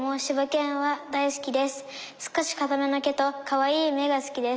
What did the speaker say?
少しかための毛とかわいい目が好きです」。